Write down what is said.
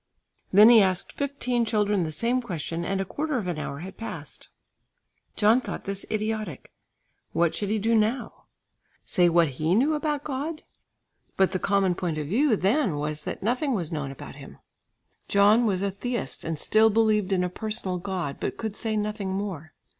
Then he asked fifteen children the same question and a quarter of an hour had passed. John thought this idiotic. What should he do now? Say what he knew about God? But the common point of view then was, that nothing was known about Him. John was a theist, and still believed in a personal God, but could say nothing more.